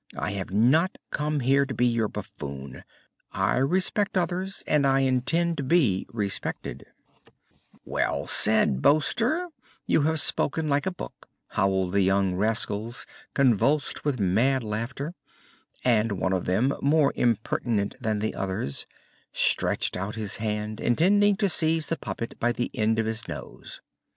I have not come here to be your buffoon. I respect others, and I intend to be respected." [Illustration: "Oh, I Am Sick of Being a Puppet!" Cried Pinocchio] "Well said, boaster! You have spoken like a book!" howled the young rascals, convulsed with mad laughter, and one of them, more impertinent than the others, stretched out his hand, intending to seize the puppet by the end of his nose.